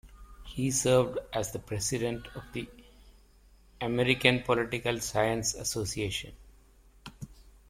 He served as the President of the American Political Science Association.